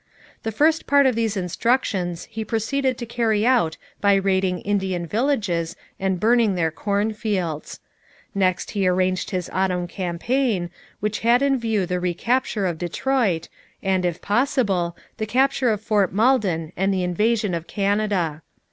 The first part of these instructions he proceeded to carry out by raiding Indian villages and burning their cornfields. Next he arranged his autumn campaign, which had in view the recapture of Detroit and, if possible, the capture of Fort Malden and the invasion of Canada.